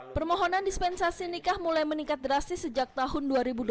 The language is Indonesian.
permohonan dispensasi nikah mulai meningkat drastis sejak tahun dua ribu dua puluh